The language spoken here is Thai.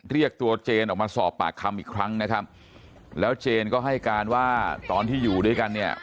เรียกตัวเจนออกมาสอบปากคำอีกครั้งนะครับแล้วเจนก็ให้การว่าตอนที่อยู่ด้วยกันเนี่ย